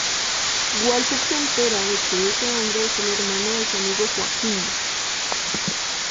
Walter se entera de que ese hombre es el hermano de su amigo Joaquim.